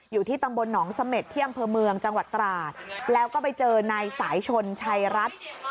อยู่ที่ตำบลหนองเสม็ดที่อำเภอเมืองจังหวัดตราดแล้วก็ไปเจอนายสายชนชัยรัฐ